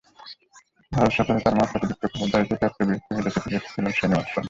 ভারত সফরে তাঁর মাত্রাতিরিক্ত খবরদারিতে ত্যক্ত-বিরক্ত হয়ে দেশে ফিরে এসেছিলেন শেন ওয়াটসন।